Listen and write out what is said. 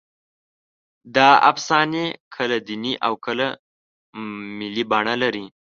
دا افسانې کله دیني او کله ملي بڼه لري.